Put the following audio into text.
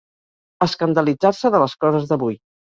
Escandalitzar-se de les coses d'avui.